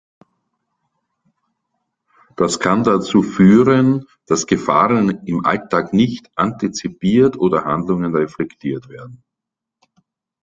Das kann dazu führen, dass Gefahren im Alltag nicht antizipiert oder Handlungen reflektiert werden.